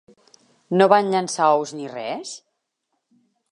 No van llençar ous ni res?